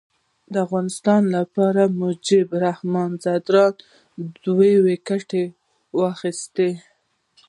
د افغانستان لپاره مجيب الرحمان ځدراڼ دوې ویکټي واخیستي.